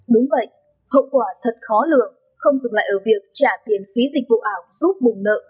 đúng vậy hậu quả thật khó lường không dừng lại ở việc trả tiền phí dịch vụ ảo giúp bùng nợ